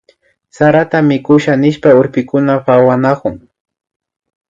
Sarata mikusha nishpa urpikuna pawanakun